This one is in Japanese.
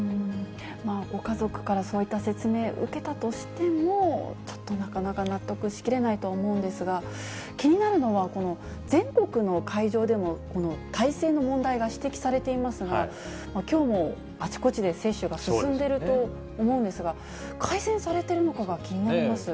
ご家族からそういった説明受けたとしても、ちょっとなかなか納得しきれないと思うんですが、気になるのは、この全国の会場でのこの体制の問題が指摘されていますが、きょうもあちこちで接種が進んでると思うんですが、改善されているのかが気になります。